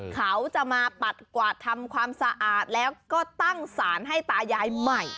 เขาจะมาปัดกวาดทำความสะอาดแล้วก็ตั้งสารให้ตายายใหม่